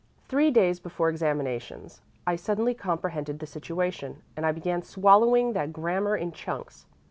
Three days before examinations I suddenly comprehended the situation, and I began swallowing that grammar in chunks.